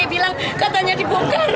kemarin katanya dikosongkan